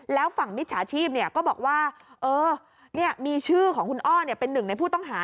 แล้วฝั่งมิจฉาชีพก็บอกว่ามีชื่อของคุณอ้อเป็นหนึ่งในผู้ต้องหา